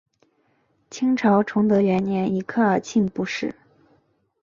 清朝崇德元年以科尔沁部置。